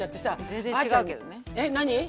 全然違うけどね。